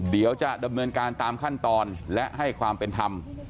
เดี๋ยวจะดำเนินการตามขั้นตอนและให้ความเป็นธรรม